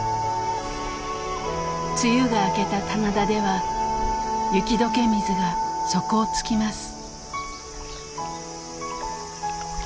梅雨が明けた棚田では雪解け水が底をつきます。